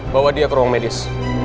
bawa dia ke ruang medis